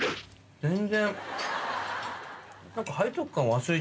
全然。